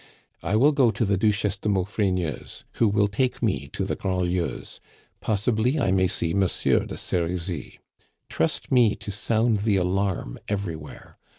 "I will go to the Duchesse de Maufrigneuse, who will take me to the Grandlieus. Possibly I may see Monsieur de Serizy. Trust me to sound the alarm everywhere.